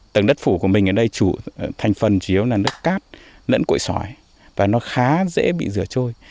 tầng đất phủ của mình ở đây chủ thành phần chủ yếu là đất cát lẫn cội sỏi và nó khá dễ bị rửa trôi